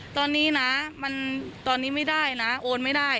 ตอนนี้นะมันตอนนี้ไม่ได้นะโอนไม่ได้